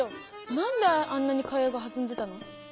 何であんなに会話がはずんでたの？